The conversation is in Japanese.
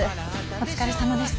お疲れさまです。